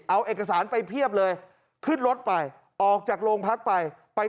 เอาเอกสารไปเพียบเลยขึ้นรถไปออกจากโรงพักไปไป